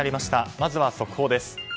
まずは速報です。